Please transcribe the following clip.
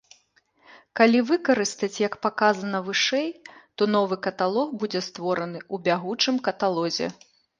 Калі выкарыстаць як паказана вышэй, то новы каталог будзе створаны ў бягучым каталозе.